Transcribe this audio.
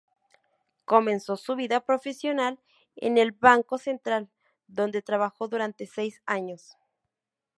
Comenzó su vida profesional en el Banco Central, donde trabajó durante seis años.